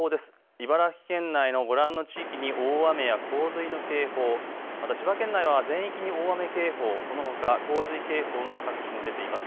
茨城県内のご覧の地域に大雨や洪水の警報、また千葉県内は全域に大雨警報、そのほか洪水警報が各地に出ています。